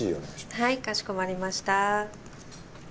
はいかしこまりました。